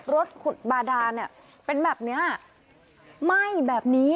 รถขุดบาดาเป็นแบบนี้ไหม้แบบนี้